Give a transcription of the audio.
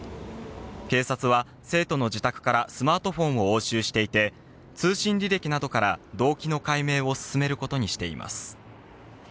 警察は生徒の自宅からスマートフォンを押収していて、通信履歴などから動機の解明を進めることにしています。